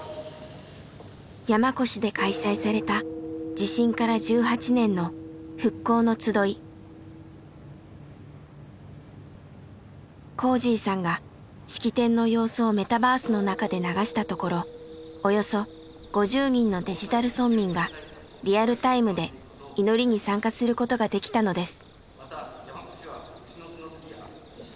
山古志で開催されたこーじぃさんが式典の様子をメタバースの中で流したところおよそ５０人のデジタル村民がリアルタイムで祈りに参加することができたのです。